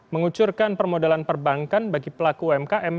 mengucurkan permodalan perbankan bagi pelaku umkm